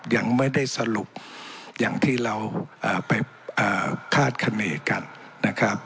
ยังไม่ได้สรุปอย่างที่เราไปคาดคณีกันนะครับ